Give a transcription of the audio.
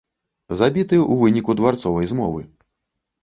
Забіты ў выніку дварцовай змовы.